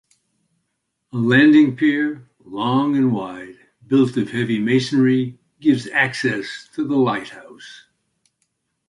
A landing-pier, long and wide, built of heavy masonry, gives access to the lighthouse.